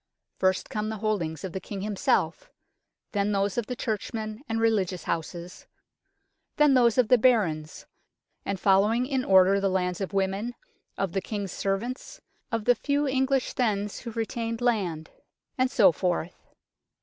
First come the holdings of the King himself, then those of the Churchmen and religious houses, then those of the Barons, and following in order the lands of women, of the King's Serjeants, of the few English thegns who retained land, and so forth.